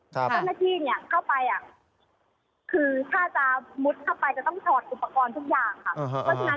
เจ้าหน้าที่เข้าไปคือถ้าจะมุดเข้าไปจะต้องถอดอุปกรณ์ทุกอย่างครับ